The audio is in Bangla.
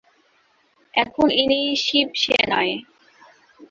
এখন ইনি শিবসেনায়।